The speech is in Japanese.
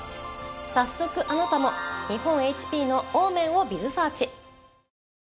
早速あなたも日本ＨＰの「ＯＭＥＮ」をｂｉｚｓｅａｒｃｈ。